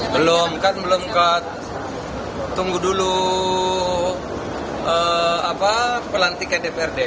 belum kan belum tunggu dulu pelantikan dprd